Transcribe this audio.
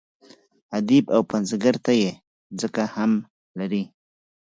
ادیب او پنځګر ته یې ځکه هم لري.